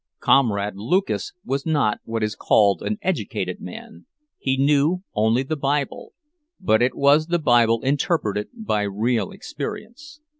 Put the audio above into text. "Comrade" Lucas was not what is called an educated man; he knew only the Bible, but it was the Bible interpreted by real experience.